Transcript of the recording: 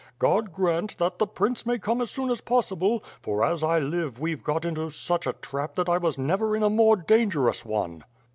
God grant that the prince may come as soon as possible, for as I live we've got into such a trap that I was never in a more dangerous one."